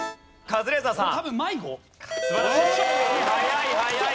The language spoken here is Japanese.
カズレーザーさん